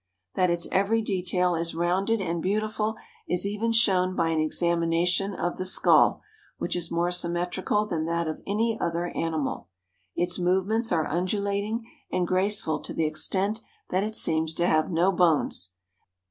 That its every detail is rounded and beautiful is even shown by an examination of the skull, which is more symmetrical than that of any other animal. Its movements are undulating and graceful to the extent that it seems to have no bones.